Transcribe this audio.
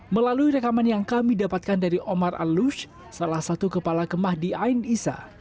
melalui rekaman yang kami dapatkan dari omar al lush salah satu kepala kemah di ain isa